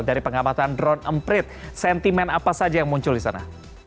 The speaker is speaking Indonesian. dari pengamatan drone emprit sentimen apa saja yang muncul di sana